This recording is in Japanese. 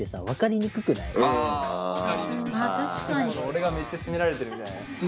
俺がめっちゃ責められてるみたいだね。